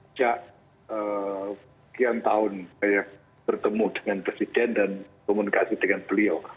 sejak sekian tahun saya bertemu dengan presiden dan komunikasi dengan beliau